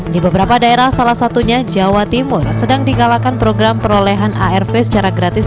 di beberapa daerah salah satunya jawa timur sedang digalakan program perolehan arv secara gratis